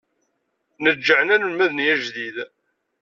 Neǧǧɛen anelmad-nni ajdid.